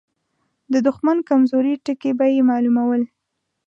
د دښمن کمزوري ټکي به يې مالومول.